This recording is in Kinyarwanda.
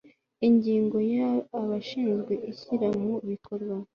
ingingo ya abashinzwe ishyira mu bikorwa